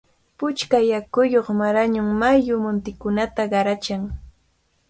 Puchka yakuyuq Marañón mayu muntikunata qarachan.